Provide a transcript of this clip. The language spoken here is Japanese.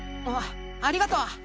あありがとう。